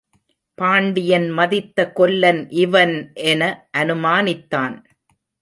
பாண்டியன் மதித்த கொல்லன் இவன் என அனுமானித்தான்.